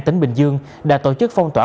tỉnh bình dương đã tổ chức phong tỏa